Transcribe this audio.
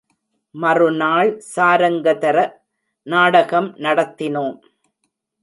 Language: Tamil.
மறு நாள் சாரங்கதர நாடகம் நடத்தினோம்.